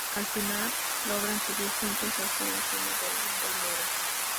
Al final, logran subir juntos hasta la cima del Muro.